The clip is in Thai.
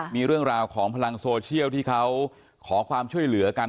มีเรื่องราวของพลังโซเชียลที่เขาขอความช่วยเหลือกัน